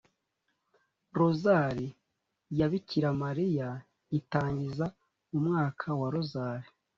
rozali ya bikira mariya”, itangiza umwaka wa rozali,